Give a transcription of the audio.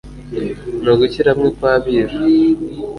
ni ugushyira hamwe kw'abiru